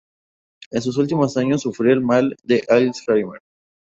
En sus últimos años sufrió del Mal de Alzheimer.